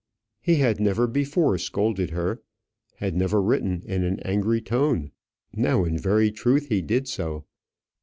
He had never before scolded her, had never written in an angry tone. Now in very truth he did so.